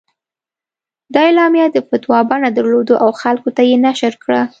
دا اعلامیه د فتوا بڼه درلوده او خلکو ته یې نشر کړه.